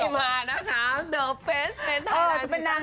นี่มานะคะเดอร์เฟสเซ็นต์ไทยรัฐที่สาม